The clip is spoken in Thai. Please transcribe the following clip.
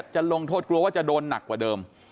จะลงโทษกลัวว่าจะโดนหนักกว่าเดิม